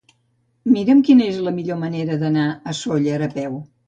Mira'm quina és la millor manera d'anar a Sóller a peu.